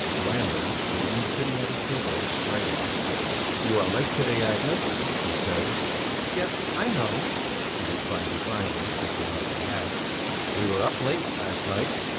Falander remained sitting at his table, writing. "You are late to day, Agnes," he said. "Yes, I know," she replied, defiantly, taking off her hat. "We were up late last night."